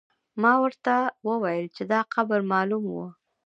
ما ورته وویل چې دا قبر معلوم و.